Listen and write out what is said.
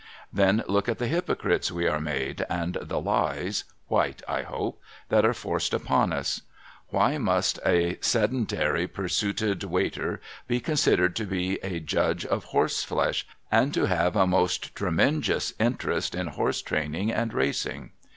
Then look at the Hypocrites we are made, and the lies (white, I hope) that are forced upon us ! Why must a sedentary pursuited Waiter be considered to be a judge of horse flesh, and to have a most tremenjous interest in horse training and racing